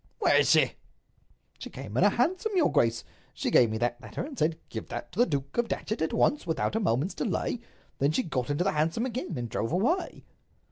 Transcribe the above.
"Where is she?" "She came in a hansom, your grace. She gave me that letter, and said, 'Give that to the Duke of Datchet at once—without a moment's delay!' Then she got into the hansom again, and drove away."